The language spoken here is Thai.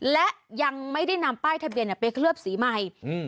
และยังไม่ได้นำป้ายทะเบียนไปเคลือบสีใหม่